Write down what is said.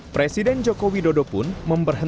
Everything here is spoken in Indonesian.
presiden jokowi dodo pun memberhentikan